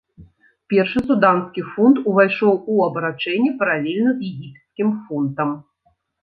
Першы суданскі фунт увайшоў у абарачэнне паралельна з егіпецкім фунтам.